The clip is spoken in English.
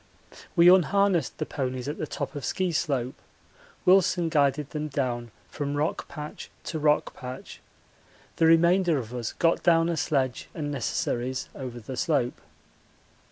We unharnessed the ponies at the top of Ski slope Wilson guided them down from rock patch to rock patch; the remainder of us got down a sledge and necessaries over the slope.